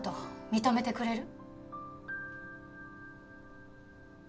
認めてくれる？